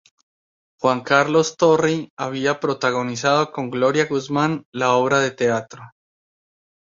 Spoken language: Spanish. Juan Carlos Thorry había protagonizado con Gloria Guzmán la obra de teatro.